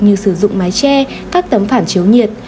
như sử dụng mái tre các tấm phản chiếu nhiệt